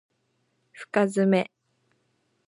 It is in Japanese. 深爪